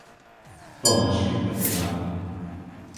Tamás vitte tovább.